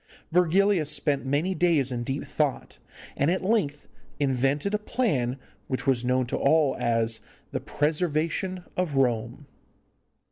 Virgilius spent many days in deep thought, and at length invented a plan which was known to all as the 'Preservation of Rome.